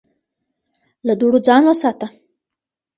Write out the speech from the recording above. له دوړو ځان وساته